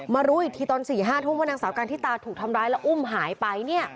รู้อีกทีตอน๔๕ทุ่มว่านางสาวกันธิตาถูกทำร้ายแล้วอุ้มหายไป